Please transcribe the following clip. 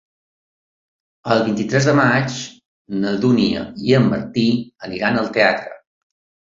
El vint-i-tres de maig na Dúnia i en Martí aniran al teatre.